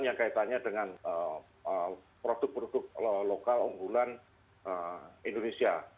yang kaitannya dengan produk produk lokal unggulan indonesia